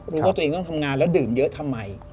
รู้ว่าตัวเองต้องทำงานแล้วดื่มเยอะทำไม